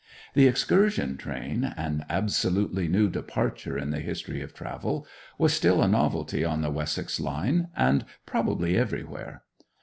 The 'excursion train'—an absolutely new departure in the history of travel—was still a novelty on the Wessex line, and probably everywhere.